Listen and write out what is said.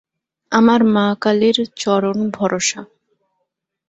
আর মা কালীর চরণ ভরসা।